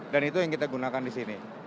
dan itu yang kita gunakan di sini